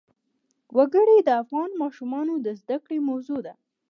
وګړي د افغان ماشومانو د زده کړې موضوع ده.